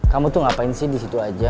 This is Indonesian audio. kamu tuh ngapain fit disitu aja